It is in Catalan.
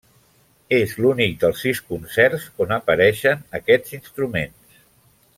És l'únic dels sis concerts on apareixen aquests instruments.